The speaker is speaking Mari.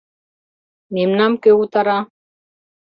— Мемнам кӧ утара?